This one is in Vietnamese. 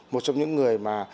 một trong những người mà